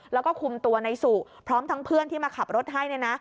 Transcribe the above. แล้วก็คุมตัวในสุพร้อมทั้งเพื่อนที่มาขับรถให้